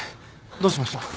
どうしました？